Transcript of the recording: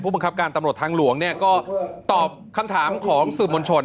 ผู้บังคับการตำรวจทางหลวงเนี่ยเขาก็ตอบครั้งถามของสื่อบนชน